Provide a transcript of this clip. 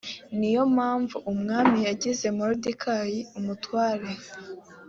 niyo mpamvu umwami yagize moridekayi umutware